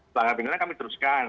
pelanggaran pidana kami teruskan